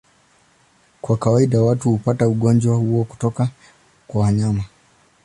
Kwa kawaida watu hupata ugonjwa huo kutoka kwa wanyama.